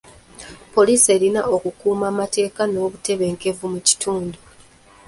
Police erina okukuuma amateeka n'obutebenkevu mu kitundu.